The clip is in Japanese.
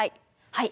はい。